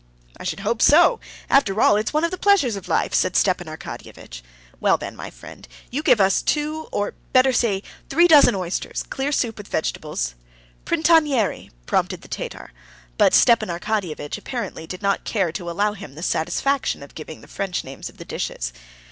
"I should hope so! After all, it's one of the pleasures of life," said Stepan Arkadyevitch. "Well, then, my friend, you give us two—or better say three—dozen oysters, clear soup with vegetables...." "Printanière," prompted the Tatar. But Stepan Arkadyevitch apparently did not care to allow him the satisfaction of giving the French names of the dishes.